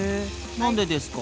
何でですか？